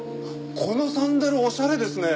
このサンダルおしゃれですね！